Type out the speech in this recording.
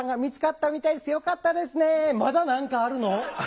まだ何かあるの？